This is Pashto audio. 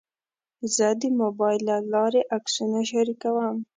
زه د موبایل له لارې عکسونه شریکوم.